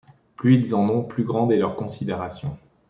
Plus ils en ont, plus grande est leur considération.